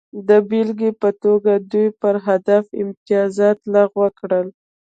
د بېلګې په توګه دوی پر هدف امتیازات لغوه کړل